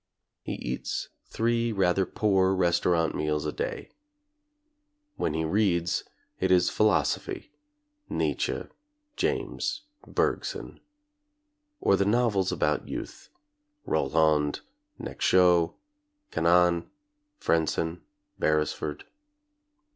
He eats three rather poor restaurant meals a day. When he reads, it is philosophy — Nietzsche, James, Bergson — or the novels about youth — Rolland, Nexo, Cannan, Frenssen, Beresford.